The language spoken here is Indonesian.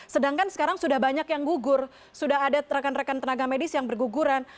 sedangkan sekarang sudah banyak yang gugur sudah ada rekan rekan tenaga medis yang berguguran